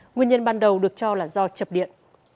nguyên nhân ban đầu được cho là do chập điện